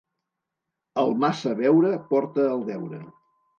El massa beure porta el deure.